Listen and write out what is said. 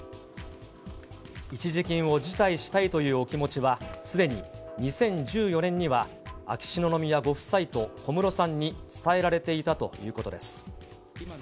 一時金を辞退したいというお気持ちは、すでに２０１４年には秋篠宮ご夫妻と小室さんに伝えられていたということです。